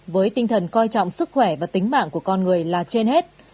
với tinh thần coi trọng sức khỏe và tính mạng của con người là trên hết